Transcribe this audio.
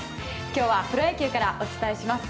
今日はプロ野球からお伝えします。